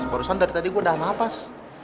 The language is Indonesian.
barusan dari tadi gue udah nafas